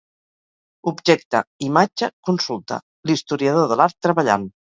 Objecte, imatge, consulta: l'historiador de l'art treballant.